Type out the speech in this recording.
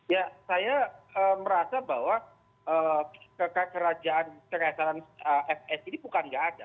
ya saya merasa bahwa kerajaan fs ini bukan nggak ada